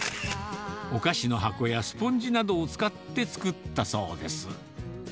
お菓子の箱やスポンジなどを使って作ったそうです。